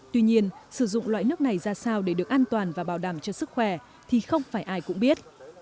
tuy nhiên sử dụng loại nước này ra sao để được an toàn và bảo đảm cho sức khỏe thì không phải ai cũng biết